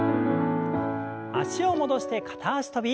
脚を戻して片脚跳び。